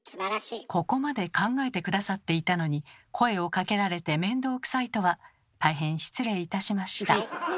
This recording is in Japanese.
ここまで考えて下さっていたのに声をかけられて面倒くさいとは大変失礼いたしました。